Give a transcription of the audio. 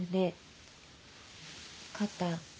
肩。